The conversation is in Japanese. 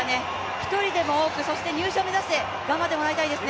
１人でも多く、そして入賞を目指して頑張ってほしいですね。